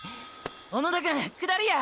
小野田くん下りや！